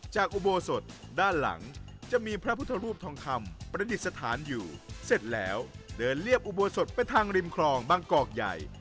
อุโบสถด้านหลังจะมีพระพุทธรูปทองคำประดิษฐานอยู่เสร็จแล้วเดินเรียบอุโบสถไปทางริมคลองบางกอกใหญ่